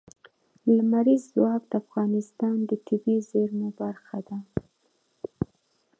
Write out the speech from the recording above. لمریز ځواک د افغانستان د طبیعي زیرمو برخه ده.